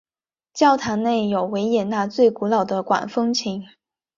教堂内有维也纳最古老的管风琴。